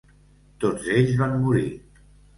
Tots ells van morir.